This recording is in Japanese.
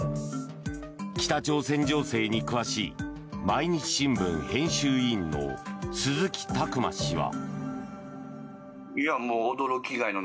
北朝鮮情勢に詳しい毎日新聞編集委員の鈴木琢磨氏は。